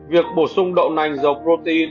việc bổ sung đậu nành dầu protein